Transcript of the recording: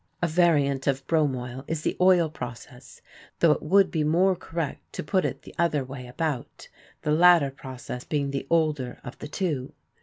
A variant of bromoil is the oil process, though it would be more correct to put it the other way about, the latter process being the older of the two.